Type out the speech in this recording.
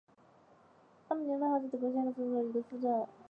阿梅林格豪森是德国下萨克森州的一个市镇。